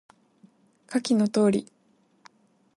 下記の通り